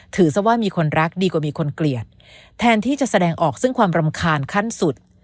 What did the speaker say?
ซะว่ามีคนรักดีกว่ามีคนเกลียดแทนที่จะแสดงออกซึ่งความรำคาญขั้นสุด